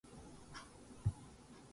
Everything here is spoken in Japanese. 今日は晴れだ